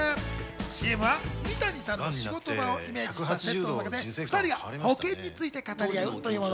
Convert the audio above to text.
ＣＭは三谷さんの仕事場をイメージしたセットの中で２人が保険について語り合うというもの。